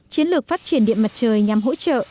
chiến lược phát triển điện mặt trời nhằm hỗ trợ